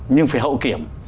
nhưng phải hậu kiểm